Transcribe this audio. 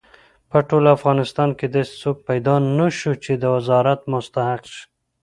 په ټول افغانستان کې داسې څوک پیدا نه شو چې د وزارت مستحق شي.